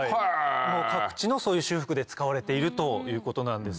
各地のそういう修復で使われているということなんです。